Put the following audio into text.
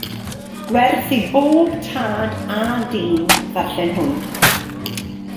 Gwerth i bob tad a dyn ddarllen hwn.